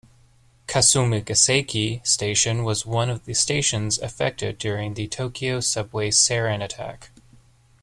Kasumigaseki Station was one of the stations affected during the Tokyo subway sarin attack.